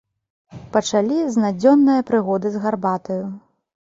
Пачалі з надзённае прыгоды з гарбатаю.